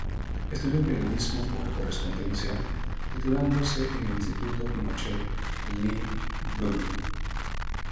Estudió periodismo por correspondencia, titulándose en el Instituto Pinochet Le Brun.